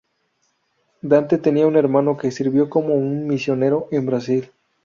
Dante tenía un hermano que sirvió como un misionero en Brasil.